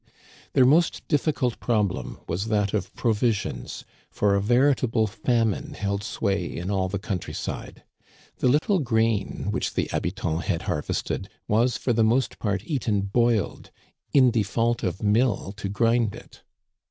Their most difficult problem was that of provisions, for a veritable famine held sway in all the country side. The little grain which the habitants had harvested was for the most part eaten boiled, in default of mill to grind it.